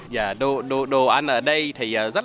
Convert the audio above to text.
và đồ ăn ở đây thì rất là hợp cái khẩu vị của du khách